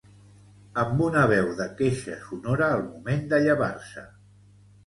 Amb una veu de queixa sonora al moment de llevar-se.